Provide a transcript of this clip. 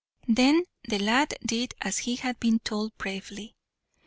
Then the lad did as he had been told bravely.